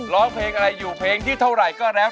ร้องเพลงอะไรอยู่เพลงที่เท่าไหร่ก็แล้ว